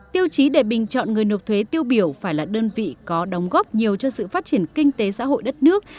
tiêu chí để bình chọn người nộp thuế tiêu biểu phải là đơn vị có đóng góp nhiều cho sự phát triển kinh tế xã hội đất nước